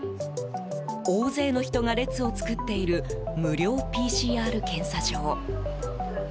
大勢の人が列を作っている無料ＰＣＲ検査場。